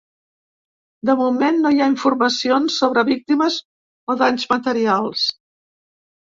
De moment no hi ha informacions sobre víctimes o danys materials.